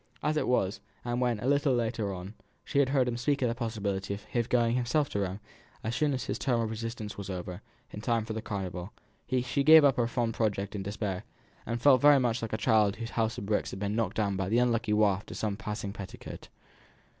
As it was, and when, a little later on, she heard him speak of the possibility of his going himself to Rome, as soon as his term of residence was over, in time for the Carnival, she gave up her fond project in despair, and felt very much like a child whose house of bricks had been knocked down by the unlucky waft of some passing petticoat.